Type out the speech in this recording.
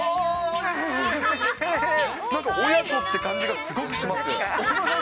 親子って感じがすごくしますよ。